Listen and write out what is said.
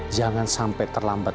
jangan sampai terlambat